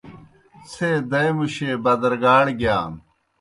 څھے دائے مُشے بَدَرگاڑ گِیان۔